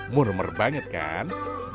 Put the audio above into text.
murmer banget kan